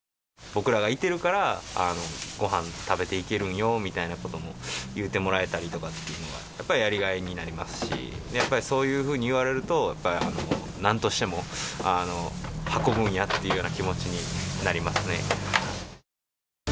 僕らがいてるから、ごはん食べていけるんよみたいなことも言うてもらえたりとかっていうのは、やっぱりやりがいになりますし、やっぱりそういうふうに言われると、やっぱりなんとしても運ぶんやっていうような気持ちになりますね。